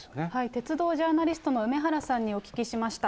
鉄道ジャーナリストの梅原さんにお聞きしました。